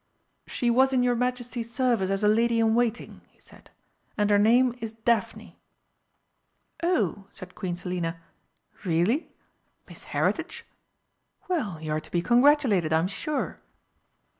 "She was in your Majesty's service as a lady in waiting," he said, "and her name is Daphne." "Oh," said Queen Selina. "Really? Miss Heritage? Well, you are to be congratulated, I'm sure."